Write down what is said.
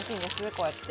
こうやって。